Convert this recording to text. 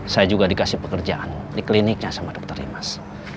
saya juga dikasih pekerjaan di kliniknya sama dokter dimas